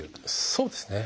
そうですね。